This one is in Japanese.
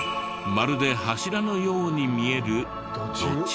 まるで柱のように見える土柱。